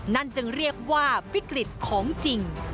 จึงเรียกว่าวิกฤตของจริง